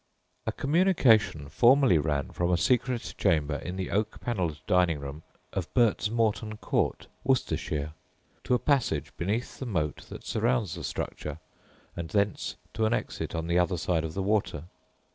A communication formerly ran from a secret chamber in the oak panelled dining room of Birtsmorton Court, Worcestershire, to a passage beneath the moat that surrounds the structure, and thence to an exit on the other side of the water.